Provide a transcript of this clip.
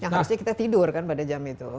yang harusnya kita tidur kan pada jam itu